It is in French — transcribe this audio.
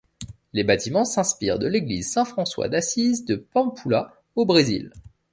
Les bâtiments s'inspirent de l'église Saint-François d'Assise de Pampulha, au Brésil.